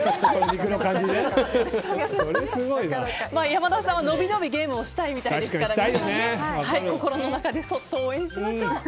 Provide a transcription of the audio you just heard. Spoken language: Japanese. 山田さんはのびのびゲームをしたいみたいですから皆さん、心の中でそっと応援しましょう。